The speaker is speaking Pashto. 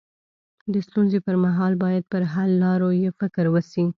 د ستونزي پر مهال باید پر حل لارو يې فکر وسي.